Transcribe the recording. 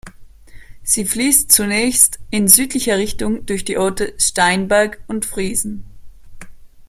Sie fließt zunächst in südlicher Richtung durch die Orte Steinberg und Friesen.